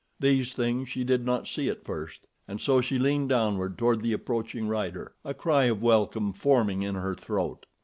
These things she did not see at first, and so she leaned downward toward the approaching rider, a cry of welcome forming in her throat.